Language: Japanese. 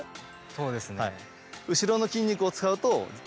そうですね。